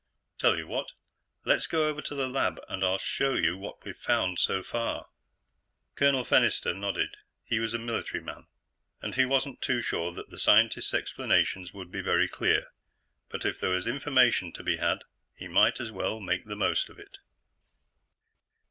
"Tell you what; let's go over to the lab, and I'll show you what we've found so far." Colonel Fennister nodded. He was a military man, and he wasn't too sure that the scientists' explanations would be very clear, but if there was information to be had, he might as well make the most of it.